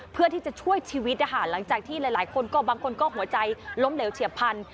เพื่อที่จะช่วยชีวิตนะคะหลังจากที่หลายคนก็บางคนก็หัวใจล้มเหลวเฉียบพันธุ